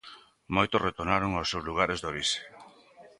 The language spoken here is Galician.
Moitos retornaron aos seus lugares de orixe.